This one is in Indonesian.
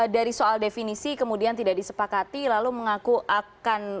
dari soal definisi kemudian tidak disepakati lalu mengaku akan